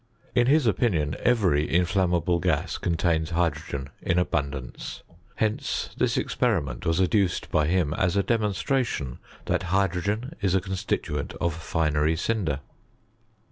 In his opinion every inflammable gas contains hydrogen in abundance. Hence this experiment was adduced by him as a demonstration that hydrogen is a con stituent of finery cinder.